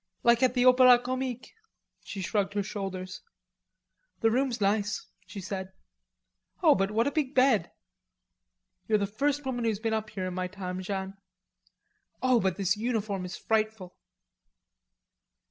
"Like at the Opera Comique." She shrugged her shoulders. "The room's nice," she said. "Oh, but, what a big bed!" "You're the first woman who's been up here in my time, Jeanne.... Oh, but this uniform is frightful."